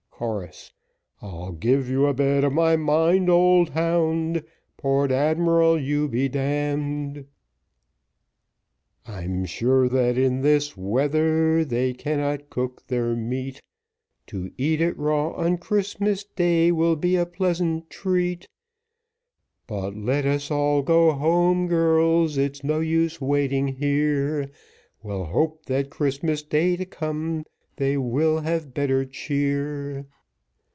Chorus. I'll give you a bit of my mind, old hound, Port Admiral, you be d d. I'm sure that in this weather they cannot cook their meat, To eat it raw on Christmas day will be a pleasant treat; But let us all go home, girls, it's no use waiting here, We'll hope that Christmas day to come, they will have better cheer.